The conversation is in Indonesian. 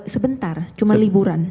sebentar cuma liburan